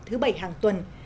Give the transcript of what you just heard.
thứ bảy hàng tuần